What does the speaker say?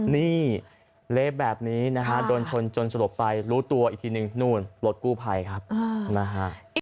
นี่เละแบบนี้นะฮะโดนชนจนสลบไปรู้ตัวอีกทีนึงนู่นรถกู้ภัยครับนะฮะ